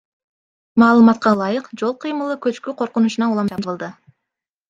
Маалыматка ылайык, жол кыймылы көчкү коркунучунан улам жабылды.